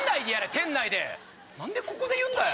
店内で何でここで言うんだよ。